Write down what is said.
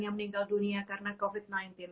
yang meninggal dunia karena covid sembilan belas